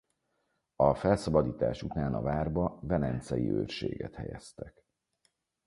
A felszabadítás után a várba velencei őrséget helyeztek.